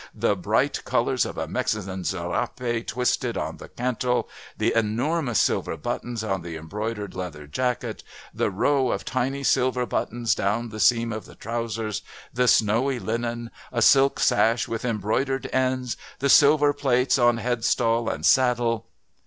The bright colours of a Mexican serape twisted on the cantle, the enormous silver buttons on the embroidered leather jacket, the row of tiny silver buttons down the seam of the trousers, the snowy linen, a silk sash with embroidered ends, the silver plates on headstall and saddle